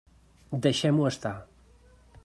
Deixem-ho estar.